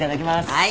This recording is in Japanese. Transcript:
はい。